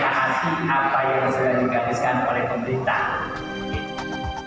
atas apa yang sudah digabiskan oleh pemerintah